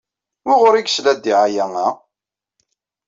Wuɣur ay yesla ddiɛaya-a?